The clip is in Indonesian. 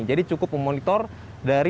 jadi cukup memonitor